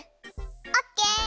オッケー！